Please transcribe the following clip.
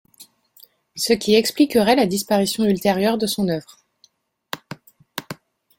Ce qui expliquerait la disparition ultérieure de son œuvre.